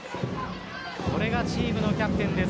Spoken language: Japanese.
これがチームのキャプテンです。